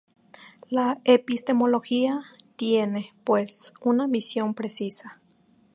La epistemología tiene, pues, una misión precisa.